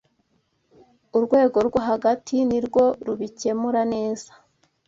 Urwego rwo hagati nirwo rubikemura neza